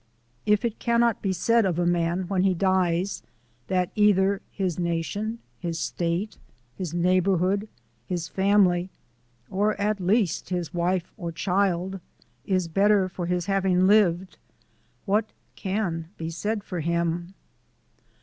If it cannot be said of a man when he dies that either his nation, his state, his neighborhood, his family, or at least his wife or child, is better for his having lived, what CAN be said for him?